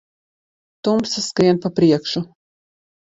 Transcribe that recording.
Tumsa skrien pa priekšu.